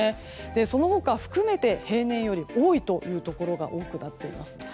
その他含めて、平年より多いというところが多くなっています。